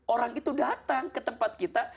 orang itu datang ke tempat kita